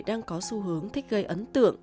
đang có xu hướng thích gây ấn tượng